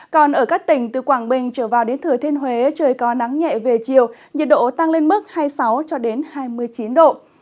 còn ở các tỉnh từ quảng bình trở vào đến thừa thiên huế trời có nắng nhẹ về chiều nhiệt độ tăng lên mức hai mươi sáu hai mươi chín độ